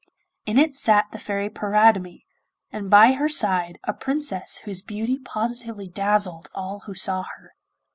In it sat the Fairy Paridamie, and by her side a Princess whose beauty positively dazzled all who saw her.